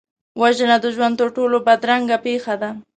وژنه د ژوند تر ټولو بدرنګه پېښه ده